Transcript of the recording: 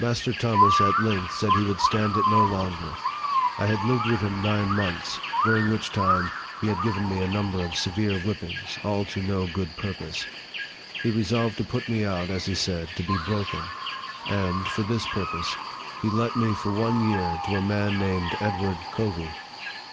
Master Thomas at length said he would stand it no LIFE OF FREDERICK DOUGLASS. 57 longer. I had lived with him nine months, during which time he had given me a number of severe whippings, all to no good purpose. He resolved to put me out, as he said, to be broken ; and, for this purpose, he let me for one year to a man named Ed ward Covey.